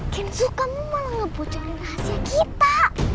kenzo kamu malah ngebucorin rahasia kita